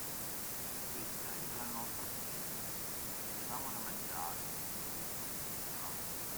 Questa era la nostra cucina. Tenevamo da mangiare, lì dietro e cucinavamo qui.